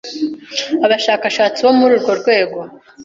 abashakashatsi bo muri urwo rwego